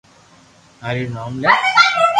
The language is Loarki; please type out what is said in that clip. ھري رو نوم لي